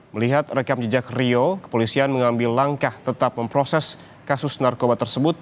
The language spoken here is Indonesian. melihat rekam jejak rio kepolisian mengambil langkah tetap memproses kasus narkoba tersebut